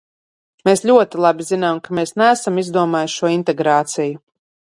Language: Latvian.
Mēs ļoti labi zinām, ka mēs neesam izdomājuši šo integrāciju.